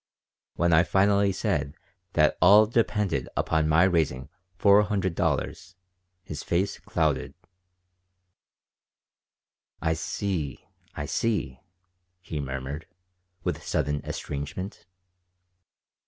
When I finally said that all depended upon my raising four hundred dollars his face clouded "I see, I see," he murmured, with sudden estrangement.